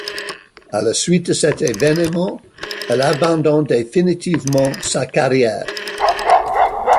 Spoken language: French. À la suite de cet événement, elle abandonne définitivement sa carrière.